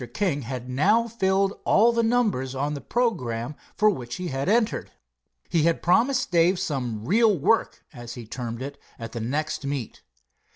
King had now filled all the numbers on the programme for which he had entered. He had promised Dave some "real work," as he termed it, at the next meet.